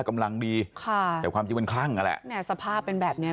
ค่ะแต่ความจริงมันครั้งอ่ะแหละแหละสภาพเป็นแบบเนี่ย